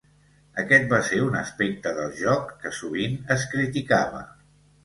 Aquest va ser un aspecte del joc que sovint es criticava.